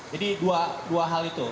jadi dua hal itu